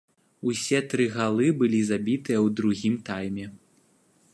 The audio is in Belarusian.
Усе тры галы былі забітыя ў другім тайме.